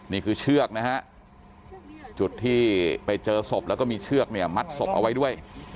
เชือกนะฮะจุดที่ไปเจอศพแล้วก็มีเชือกเนี่ยมัดศพเอาไว้ด้วย